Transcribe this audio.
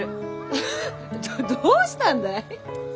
フッどうしたんだい？